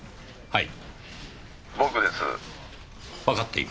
はい？